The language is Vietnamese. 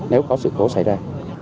nếu có sự khổ xảy ra